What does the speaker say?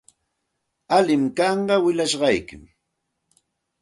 Allinmi kanqa willashqaykim.